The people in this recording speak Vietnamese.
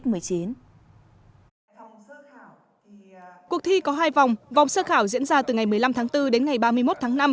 cuộc thi có hai vòng vòng sơ khảo diễn ra từ ngày một mươi năm tháng bốn đến ngày ba mươi một tháng năm